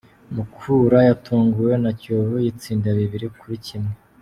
mukura yatunguwe na kiyovu iyitsinda bibiri kuri kimwe